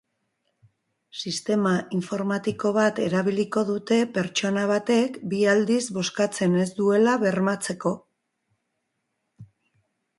Sistema informatiko bat erabiliko dute pertsona batek bi aldiz bozkatzen ez duela bermatzeko.